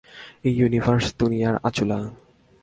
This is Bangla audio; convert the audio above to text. এই ইউনিভার্স দুনিয়ার আচুলা!